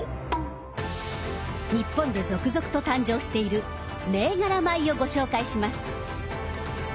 日本で続々と誕生している銘柄米をご紹介します。